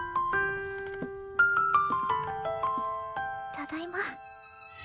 ただいま